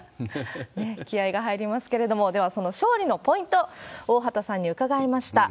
気合が入りますけれども、では、勝利のポイント、大畑さんに伺いました。